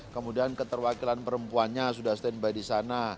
kemudian keterwakilan perempuannya sudah stand by di sana